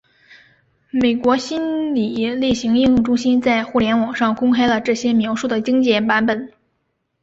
美国心理类型应用中心在互联网上公开了这些描述的精简版本。